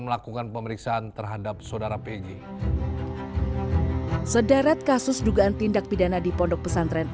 melakukan pemeriksaan terhadap saudara pj sederet kasus dugaan tindak pidana di pondok pesantren